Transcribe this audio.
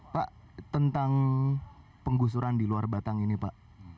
pak tentang penggusuran di luar batang ini pak